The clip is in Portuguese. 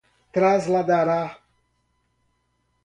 trasladará